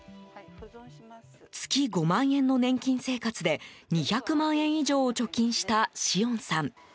月５万円の年金生活で２００万円以上を貯金した紫苑さん。